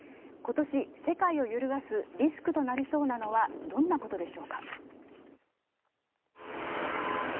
今年、世界を揺るがすリスクとなりそうなのはどんなことでしょうか。